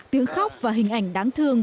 tiếng khóc và hình ảnh đáng thương